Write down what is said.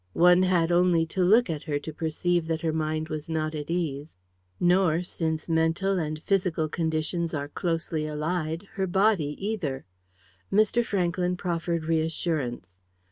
One had only to look at her to perceive that her mind was not at ease; nor, since mental and physical conditions are closely allied, her body either. Mr. Franklyn proffered reassurance.